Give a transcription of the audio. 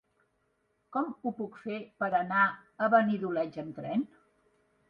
Com ho puc fer per anar a Benidoleig amb tren?